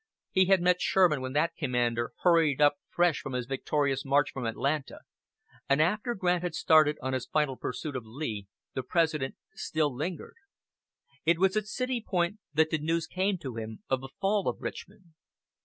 He had met Sherman when that commander hurried up fresh from his victorious march from Atlanta; and after Grant had started on his final pursuit of Lee the President still lingered. It was at City Point that the news came to him of the fall of Richmond.